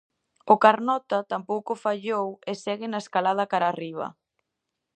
O Carnota tampouco fallou e segue na escalada cara arriba.